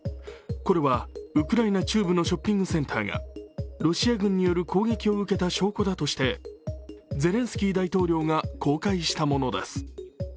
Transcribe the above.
これはウクライナ中部のショッピングセンターがロシア軍による攻撃を受けた証拠だとしてゼレンスキー大統領が公開したものです。